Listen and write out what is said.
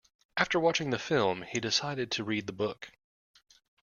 After watching the film, he decided to read the book.